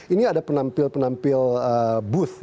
ini ada penampil penampil booth